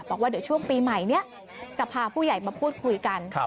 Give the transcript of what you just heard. บอกว่าเดี๋ยวช่วงปีใหม่นี้จะพาผู้ใหญ่มาพูดคุยกัน